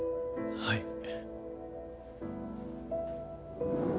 はい。